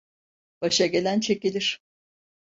Başa gelen çekilir.